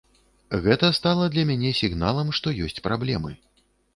Гэта стала для мяне сігналам, што ёсць праблемы.